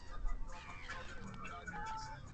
Aunque no lo logró, se enamoró y se casó con ella.